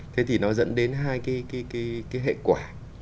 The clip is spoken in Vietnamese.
thế thì nó dẫn đến hai cái hệ quả